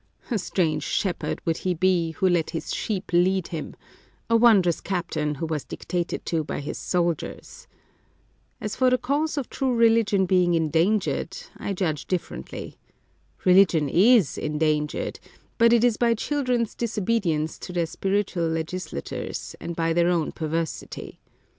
A strange shepherd would he be, who let his sheep lead him ; a wondrous captain, who was dictated to by his soldiers ! As for the cause of true religion being endangered, I judge differ, ently. Religion is endangered ; but it is by children's disobedience to their spiritual legislators, and by their own perversity.